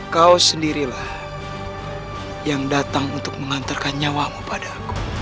kau sendirilah yang datang untuk mengantarkan nyawamu pada aku